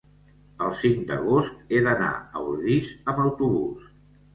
el cinc d'agost he d'anar a Ordis amb autobús.